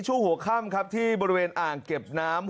ช่วงหัวค่ำครับที่บริเวณอ่างเก็บน้ำ